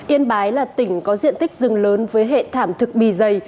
yên bái là tỉnh có diện tích rừng lớn với hệ thảm thực bì dày